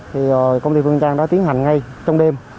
thì công ty phương trang đã tiến hành ngay trong đêm